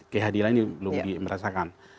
kehadiran ini belum di merasakan